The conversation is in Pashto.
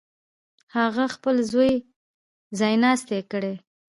هغه خپل زوی ځایناستی کړي.